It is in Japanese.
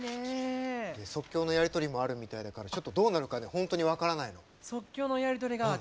即興のやり取りもあるみたいだからどうなるか本当に分からないの。